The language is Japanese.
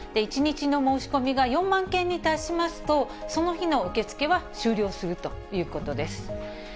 １日の申し込みが４万件に達しますと、その日の受け付けは終了するということです。